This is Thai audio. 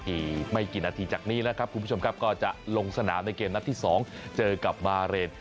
อีกไม่กี่นาทีจากนี้แล้วครับคุณผู้ชมครับก็จะลงสนามในเกมนัดที่๒เจอกับมาเรน